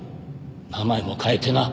名前も変えてな。